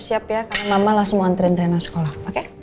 masa siap siap ya karena mama langsung mau antrein trener sekolah oke